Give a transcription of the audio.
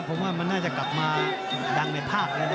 ผมว่ามันน่าจะกลับมาดังในภาพแล้วนะ